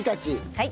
はい。